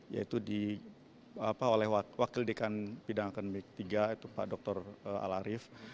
yaitu di apa oleh wakil pendidikan pindahakan m tiga itu pak dr al arief